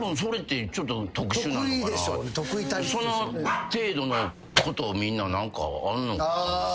その程度のことみんな何かあんのかなと。